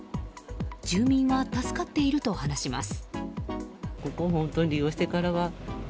住民は助かっていると話します。